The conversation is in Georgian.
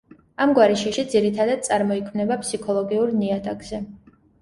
ამგვარი შიში ძირითადად წარმოიქმნება ფსიქოლოგიურ ნიადაგზე.